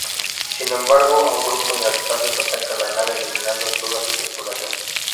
Sin embargo, un grupo de "asaltantes" atacan la nave, eliminando a toda su tripulación.